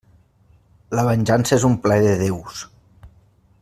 La venjança és un plaer de déus.